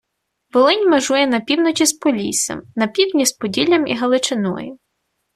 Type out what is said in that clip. Волинь межує на півночі з Поліссям, на півдні з Поділлям і Галичиною.